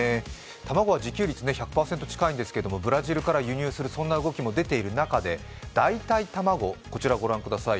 卵は自給率１００％近いんですけどもブラジルから輸入する、そんな動きも出ている中で代替卵、こちらご覧ください。